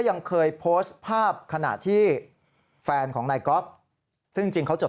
ยังเคยโพสต์ภาพขณะที่แฟนของนายก๊อฟซึ่งจริงเขาจด